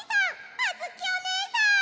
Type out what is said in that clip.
あづきおねえさん！